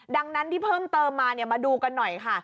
ดังนั้นที่เพิ่มเติมมามาดูกันหน่อยค่ะ